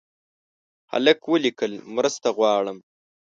هلک ولیکل مرسته غواړم.